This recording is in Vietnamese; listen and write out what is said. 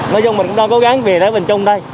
nói chung mình cũng đang cố gắng về đến bên trong đây